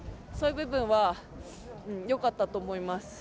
そういう部分はよかったと思います。